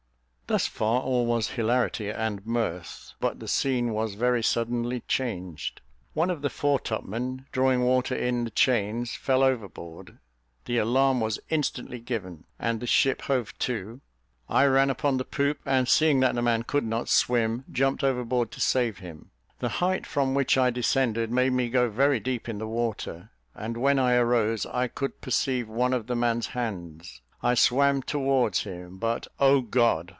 Thus far all was hilarity and mirth; but the scene was very suddenly changed. One of the foretopmen, drawing water in the chains, fell overboard; the alarm was instantly given, and the ship hove to. I ran upon the poop, and, seeing that the man could not swim, jumped overboard to save him. The height from which I descended made me go very deep in the water, and when I arose I could perceive one of the man's hands. I swam towards him; but, O, God!